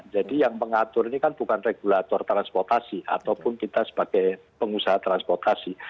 jadi yang mengatur ini kan bukan regulator transportasi ataupun kita sebagai pengusaha transportasi